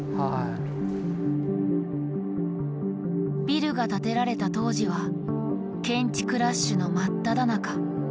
ビルが建てられた当時は建築ラッシュのまっただ中。